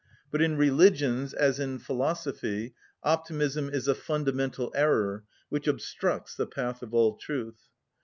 But in religions, as in philosophy, optimism is a fundamental error which obstructs the path of all truth.